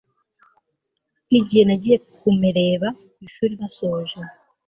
nkigihe nagiye kumereba ku ishuri basoje